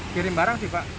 kirim barang sih pak